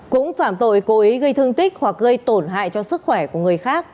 cũng phạm tội cố ý gây thương tích hoặc gây tổn hại cho sức khỏe của người khác